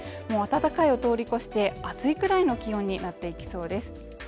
もう暖かいを通り越して暑いくらいの気温になっていきそうです